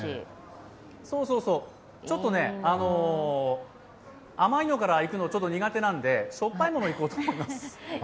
ちょっと甘いのからいくのは苦手なんでしょっぱいもの、いこうと思います。